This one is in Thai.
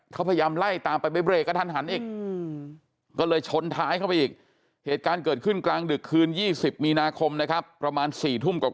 เขาพยายามไล่ตามไปเบรกก็ทันหันอีก